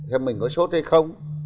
cho mình có sốt hay không